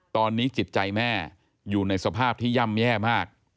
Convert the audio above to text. ตอนนี้จิตใจแม่อยู่ในสภาพที่ย่ำแย่มาก